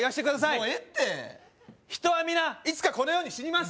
もうええって人は皆いつかこのように死にます